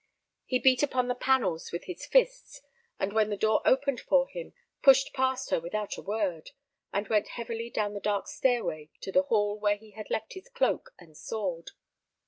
He beat upon the panels with his fist, and when the door opened for him, pushed past her without a word, and went heavily down the dark stairway to the hall where he had left his cloak and sword.